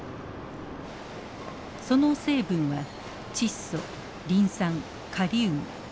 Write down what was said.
その成分は窒素リン酸カリウム。